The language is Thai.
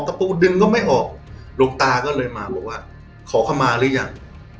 ปูดึงก็ไม่ออกหลวงตาก็เลยมาบอกว่าขอเข้ามาหรือยัง